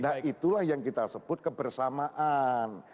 nah itulah yang kita sebut kebersamaan